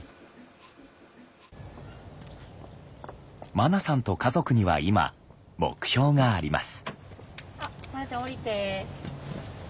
まなさんと家族には今目標があります。